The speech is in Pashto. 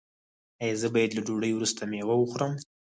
ایا زه باید له ډوډۍ وروسته میوه وخورم؟